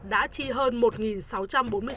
đã chi hơn một tỷ đồng